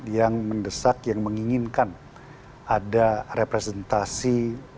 yang mendesak yang menginginkan ada representasi